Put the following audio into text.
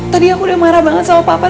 tadi aku udah marah banget sama papa